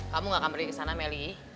kamu gak akan pergi ke sana melly